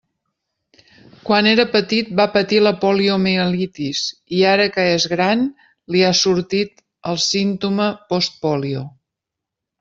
Quan era petit va patir la poliomielitis, i ara que és gran li ha sortit el símptoma 'post-pòlio'.